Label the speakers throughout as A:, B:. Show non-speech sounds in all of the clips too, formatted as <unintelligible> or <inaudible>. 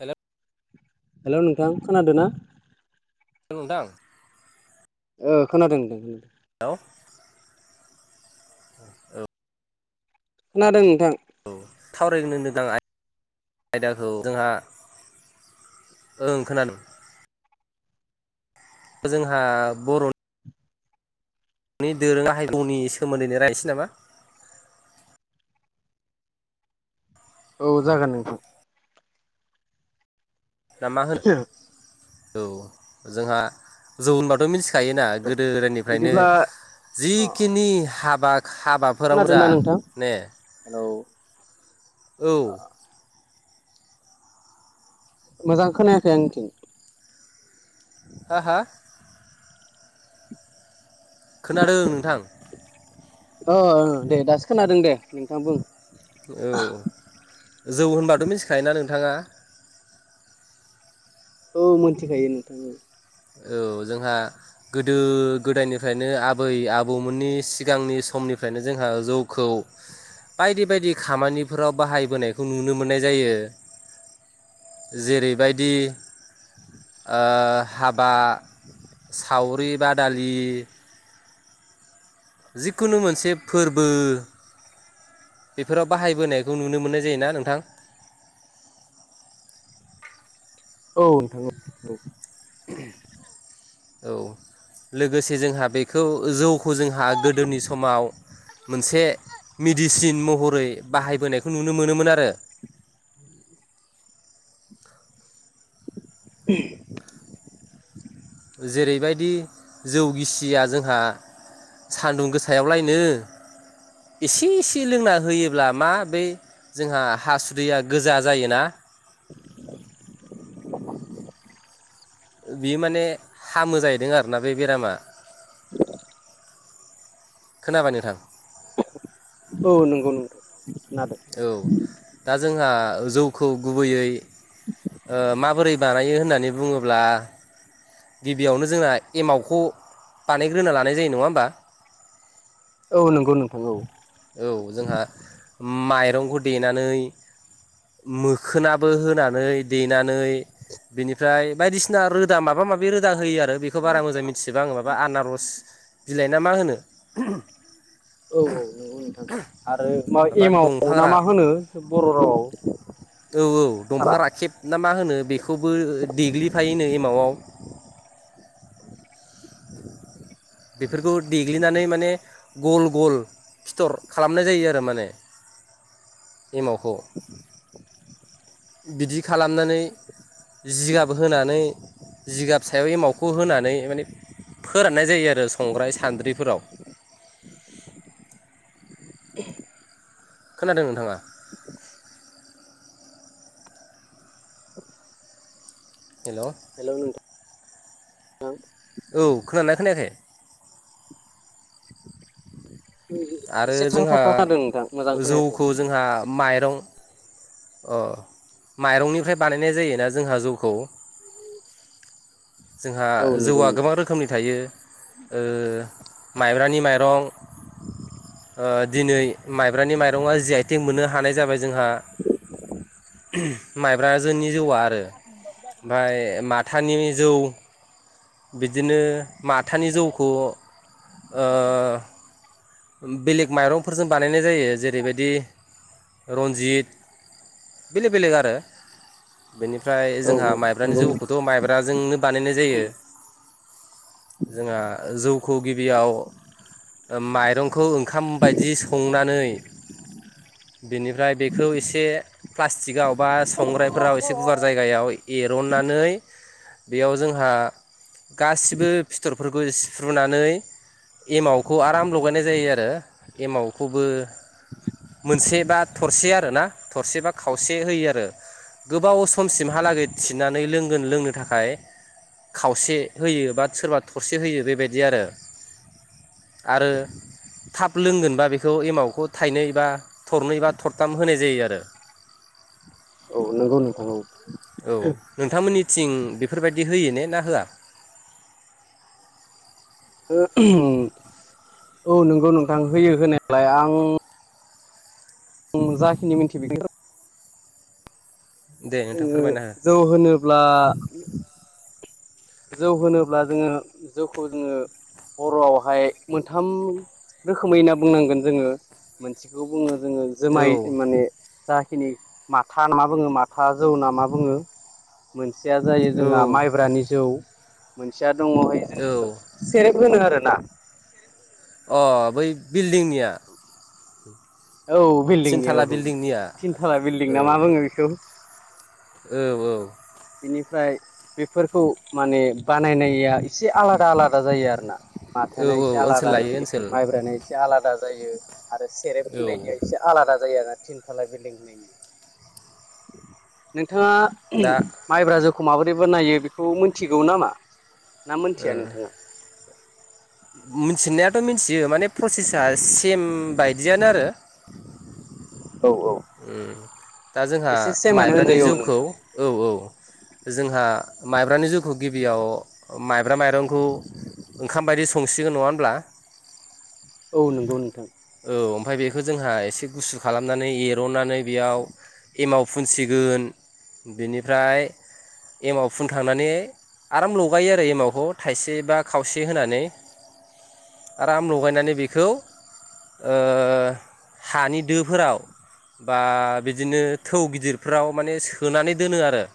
A: हेल'
B: hello नोंथां खोनादो ना
A: हेलौ नोंथां
B: ओ खोनादो होनदों
A: हेलौ औ
B: खोनादों नोंथां
A: औ सावरायनो गोनां <unintelligible> आयदाखौ जोंहा ओं खोनादों जोंहा बर' दानि दोरोङा हाइ गौनि सोमोन्दैनो रायनोसै नामा
B: औ जागोन नोंथां
A: दा मा होनो औ जोंहा जौ होनबाथ' मिथि थायोना गोदोनिफ्रायनो
B: बिदिब्ला
A: जिखिनि हाबा हाबा
B: खोनादों ना नोंथां हेलौ
A: औ
B: मोजां खोनायाखै आंनिथिं
A: हा हा खोनादों नोंथां।
B: अ दे दासो खोनादों दे नोंथां बुं
A: औ जौ होनबाथ' मिथिखायोना नोंथाङा
B: औ मोनथिखायो नोंथां औ
A: औ जोंहा गोदो गोदायनिफ्रायनो आबै- आबौमोननि सिगांनि समनिफ्रायनो जोंहा जौखौ बायदि बायदि खामानिफोराव बाहायबोनायखौ नुनो मोननाय जायो। जेरैबायदि ओ हाबा सावरि -बादालि जिखुनु मोनसे फोरबो बेफोराव बाहायबोनायखौ नुनो मोननाय जायोना नोंथां।
B: औ नोंथां औ
A: औ लोगोसे जोंहा बेखौ जौ खौ जोंहा गोदोनि समाव मोनसे मेडिसिन महरै बाहायबोनायखौ नुनो मोनोमोन आरो
B: <inaudible>
A: जेरैबायदि जौ गिसिया जोंहा सान्दुं गोसायावलायनो एसे एसे लोंना होयोब्ला मा बै जोंहा हासुदैया गोजा जायोना बियो माने हामो जाहैदों आरोना बे बेरामा खोनाबाय नोंथां
B: औ नंगौ नंगौ खोनादों
A: औ दा जोंहा जौखौ गुबैयै माबोरै बानायो होननानै बुङोब्ला गिबियावनो जोंना एमावखौ बानायग्रोना लानाय जायो नङा होमबा?
B: औ नंगौ नोंथां औ
A: औ जोंहा माइरंखौ देनानै मोखोनाबो होनानै देनानै बिनिफ्राय बायदिसिना रो दा माबा माबि रोदा होयो आरो बेखौ बारा मोजां मिथिजोबा आङो माबा आनारस बिलाइना मा होनो
B: औ औ नोंगौ नोंथां आरो मा
A: माबा
B: एमाव
A: दंफां
B: ना
A: रा
B: मा होनो? बर' रावाव
A: औ औ दंफां राखेब ना मा होनो बेखौबो देग्लिफायो नो एमावआव
B: <inaudible>
A: बेफोरखौ देग्लिनानै माने गल गल फिथर खालामनाय जायो आरो माने एमावखौ बिदि खालामनानै जिगाब होनानै जिगाब सायाव एमावखौ होनानै माने फोराननाय जायो आरो संग्राय सान्द्रिफोराव
B: <inaudible>
A: खोनादों नोंथाङा हेल'
B: हेल' नोंथां
A: औ खोनादोंना खोनायाखै? आरो
B: एसे थाबथा
A: जोंहा
B: थाबथा खानादों नोंथां मोजां खोनायाखै
A: जौखौ जोंहा माइरं अ माइरंनिफ्राय बानायनाय जायोना जोंहा जौखौ। जोंहा
B: औ नंगौ
A: जौआ
B: नोंथां
A: गोबां रोखोमनि थायो माइब्रानि माइरं ओ दिनै माइब्रानि माइरङा जि आइ थेग मोननो हानाय जाबाय जोंहा। माइब्राजोननि जौआ आरो ओमफ्राय माथानि जौ बिदिनो माथानि जौखौ ओ बेलेग माइरंफोरजों बानायनाय जायो जेरैबायदि रन्जित बेलेक बेलेग आरो। बेनिफ्राय
B: औ
A: जोंहा
B: औ
A: माइब्रानि
B: नंगौ नोंथां
A: जौखौथ' माइब्राजोंनो बानायनाय जायो। जोंहा जौखौ गिबियाव माइरं ओंखाम बायदि संनानै। बेनिफ्राय बेखौ एसे प्लास्टिकआव बा संग्रायफोराव एसे गुवार जायगा जायगायाव ऐरननानै बेयाव जोंहा गासिबो फिथर फोरखौ सिफ्रुनानै एमावखौ आराम लगायनाय जा जायो आरो एमावखौबो मोनसे बा थरसे आरोना थरसेबा खाव से होयो आरो गोबाव समसिमहालागै थिनानै लोंगोन लोंनो थाखाय खावसे होयो बा सोरबा थरसे होयो बेबायदि आरो। आरो थाब लोंगोनबा बेखौ एमावखौ थाइनै बा थरनै एबा थरथाम होनाय जायो आरो।
B: औ नंगौ नोंथां औ
A: औ नोंथांमोननिथिं बेफोरबायदि होयो ने ना होआ?
B: हो औ नोंगौ नोंथां होयो होनायालाय आं जाखिनि मिन्थि
A: दे नोंथां
B: जोङो
A: फोरमायना
B: जौ होनोब्ला जौ होनोब्ला जोङो जौखौ जोङो बर'आवहाय मोनथाम रोखोमैना बुंनांगोन जोङो मोनसेखौ बुङो जोङो
A: हो
B: जुमाय माने जाखिनि माथा मा बुङो माथा जौ होना मा बुङो? मोनसेया जायो
A: औ
B: जोंहा माइब्रानि जौ मोनसेया दङहाय जोङो
A: औ
B: सेरेफ होनो आरो ना।
A: अ बै बिल्डिंनिया।
B: औ बिल्डिंनिया औ
A: थिनथाला
B: औ
A: बिल्डिंनिया
B: थिनथाला
A: औ
B: बिल्डिं ना मा बुङो बेखौ?
A: औ औ
B: बेनिफ्राय बेफोरखौ माने बानायनाया एसे आलादा आलादा जायो आरोना।
A: औ
B: माथाना एसे
A: ओनसोल
B: आलादा
A: लायै
B: जायो
A: ओनसोल
B: माइब्राना एसे आलादा जायो आरो सेरेब
A: औ
B: होननायनिया एसे आलादा जायो आरोना थिनथालाय बिल्डिं होनायनि नोंथाङा
A: दा
B: माइब्रा जोखौ माबोरैबो बनायो बेखौ मिथिगौ नामा? ना
A: ओ
B: मोनथिया नोंथाङा
A: मिथिनायाथ' मिन्थि बियो माने प्रसेसा सेम बायदियानो आरो।
B: औ औ
A: उम दा जोंहा
B: एसे सेमानो
A: माइब्रानि
B: होनजायो औ
A: जिउखौ
B: नोंथां
A: औ औ जोंहा माइब्रानि जौखौ गिबियाव माइब्रा माइरंखौ ओंखाम बायदि संसिगोन नङा होनब्ला?
B: औ नंगौ नोंथां
A: औ ओमफ्राय बेखौ जोंहा एसे गुसु खालामनानै एरननानै बेयाव एमाव फुनसिगोन बेनिफ्राय एमाव फुनखांनानै आराम लगायो आरो एमावखौ थाइसे बा खावसे होनानै। आराम लगायनानै बेखौ ओ हानि दोफोराव बा बिदिनो थौ गिदिरफ्राव माने सोनानै दोनो आरो।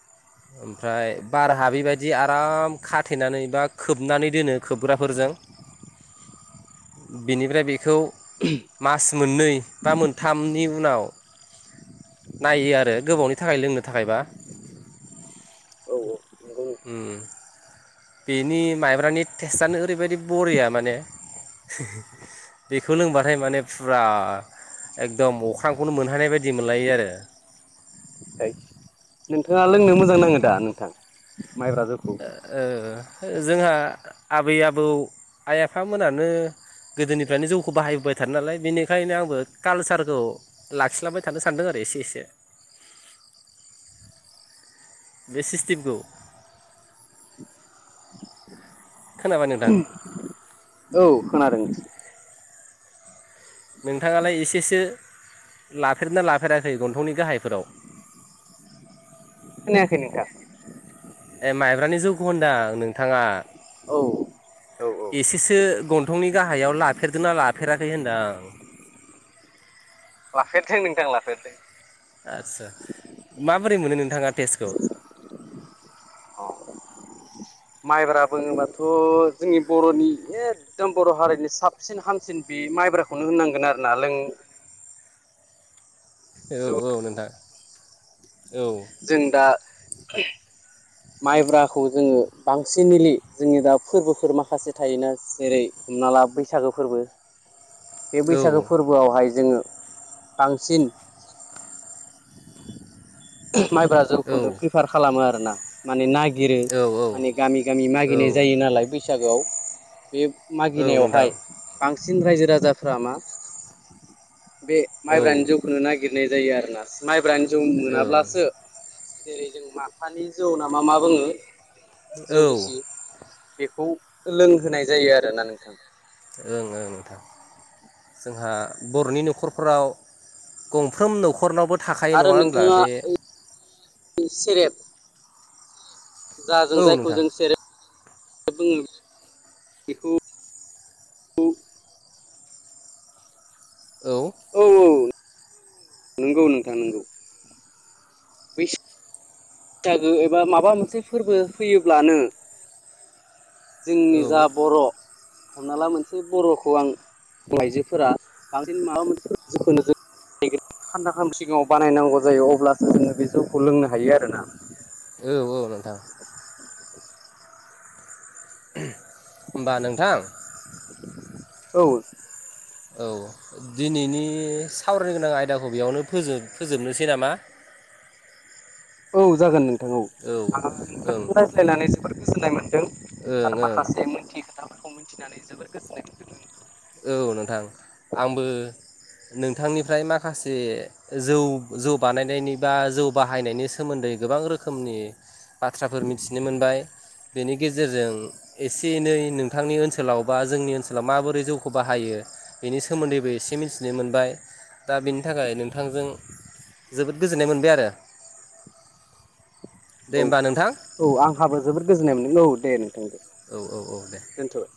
A: <unintelligible> ओमफ्राय बार हाबैबायदि आराम खाथेनानै बा खोबनानै दोनो खोबग्राफोरजों।
B: <inaudible>
A: बेनिफ्राय बेखौ मास मोननै बा मोनथामनि उनाव नायो आरो गोबावनि थाखाय लोंनो थाखायबा।
B: औ नंगौ नोंथां
A: उम बेनि माइब्रानि टेस्टानो ओरैबायदि बरिया माने बेखौ लोंबाथाय माने फुरा एकदम अख्रांखौनो मोनहानाय बायदि मोनलायो आरो।
B: नोंथाङा लोंनो मोजां नाङो दा नोंथां माइब्रा जौ
A: ओ जोंहा आबै आबौ आइ आफाम मोनोनानो गोदोनिफ्रायनो जौखौ बाहायबोबाय थादों नालाय बेनिखायनो आंबो कालसारखौ लाखिलांबाय थानो सानदों आरो एसे एसे बे सिस्टेमखौ खोनाबाय नोंथां
B: उम औ खोनादों।
A: नोंथाङालाय एसेसो लाफेरदोंना लाफेराखै गन्थंनि गाहायफोराव।
B: खोनायाखै नोंथां।
A: ए माइब्रानि जौखौ होनदां नोंथाङा।
B: औ औ औ
A: एसेसो गन्थंनि गाहायाव लाफेरदोंना लाफेराखै होनदांं?
B: लाफेरदों नोंथां लाफेरदों।
A: आतसा माबोरै मोनो नोंथाङा टेस्टखौ?
B: औ माइब्रा बुङोबाथ' जोंनि बर'नि एकदम बर' हारिनि साबसिन हामसिन बे माइब्राखौनो होननांगोन आरो ना लों
A: औ
B: जौ
A: औ नोंथां औ।
B: जों दा माइब्राखौ जोङो बांसिन मिलि जोंनि दा फोरबोफोर माखासे थायोना जेरै हमना ला बैसागो फोरबो बे
A: औ
B: बैसागो फोरबो फोरावहाय जोङो बांसिन माइब्रा जौखौनो प्रिफार खालामो आरोना। माने नागिरो
A: औ
B: माने गामि गामि
A: औ
B: नागिरनाय जायो नालाय बैसागो आव बे
A: औ
B: मागिनायावहाय
A: नोंथां
B: बांसिन रायजो राजाफ्रा मा बे
A: औ ओं
B: माइब्रानि जौखौनो नागिरनाय जायो आरो ना। माइब्रानि जौ
A: औ
B: मोनाब्लासो जेरै जों माथानि जौ नामा मा बुङो जौ गिसि
A: ओं
B: बेखौ लोंहोनाय जायो आरोना नोंथां।
A: ओं ओं नोंथां जोंहा बर'नि न'खरफोराव गंफ्रोम न'खरनावबो थाखायो नङा होनब्ला बे
B: सेरफ जा जों
A: औ
B: जायखौ
A: नोंथां
B: जों सेरफ बुङो बेखौ
A: औ
B: औ औ नंगौ नोंथां नोंगौ। बैसाग बैसागो एबा माबा मोनसे फोरबो फैयोब्लानो जोंनि
A: औ
B: जा बर' हमना ला मोनसे बर'खौ आं आइजोफोरा बांसिन माबा मोनसेफोर जिखौ नो जा <unintelligible> सिगाङाव बानायनांगौ जायो अब्लासो जोङो बे जौखौ लोंनो हायो आरोना।
A: औ औ नोंथां। होमबा नोंथां।
B: औ
A: औ दिनैनि सावरायनो गोनां आयदाखौ बेयावनो फोजोबनोसै नामा?
B: औ जागोन नोंथां औ आं
A: ओं
B: नोंथां रायज्लायनानै जोबोर गोजोननाय मोनदों
A: ओं
B: आरो
A: ओं
B: माखासे मोनथियै खोथाफोरखौ मिथिनानै जोबोर गोजोननाय मोनदों।
A: औ नोंथां आंबो नोंथांनिफ्राय माखासे जौ जौ बानायनायनि बा जौ बाहायनायनि सोमोन्दै गोबां रोखोमनि बाथ्राफोर मिथिनो मोनबाय बेनि गेजेरजों एसे एनै नोंथांनि ओनसोलाव बा जोंनि ओनसोलाव माबोरै जौखौ बाहायो बेनि सोमोन्दैबो एसे मिथिनो मोनबाय दा बेनि थाखाय नोंथांजों जोबोद गोजोननाय मोनबाय आरो दे
B: औ
A: होमबा नोंथां
B: औ आंहाबो जोबोद गोजोननाय मोनदों औ दे नोंथां दे
A: औ - औ - औ दे
B: दोनथ'बाय